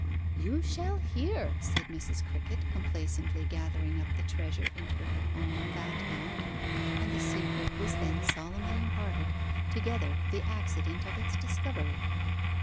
'You shall hear,' said Mrs. Crickett, complacently gathering up the treasure into her own fat hand; and the secret was then solemnly imparted, together with the accident of its discovery.